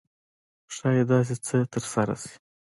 ښایي داسې څه ترسره شي.